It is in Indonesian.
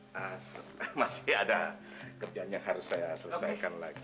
masih ada kerjaan yang harus saya selesaikan lagi